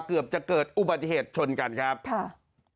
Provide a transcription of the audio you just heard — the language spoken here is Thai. เกือบจะเกิดอุบัติเหตุชนกันครับค่ะ